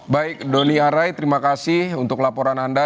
baik doli harai terima kasih untuk laporan anda